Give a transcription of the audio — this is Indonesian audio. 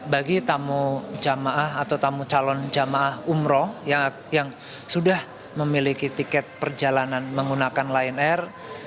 bagi tamu jamaah atau tamu calon jamaah umroh yang sudah memiliki tiket perjalanan menggunakan lion air